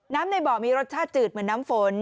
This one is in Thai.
น้ำในบ่อน้ำมีรสชาติจืดเหมือนน้ำฝน